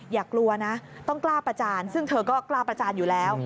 อย่ากลัวนะต้องกล้าประจานซึ่งเธอก็กล้าประจานอยู่แล้ว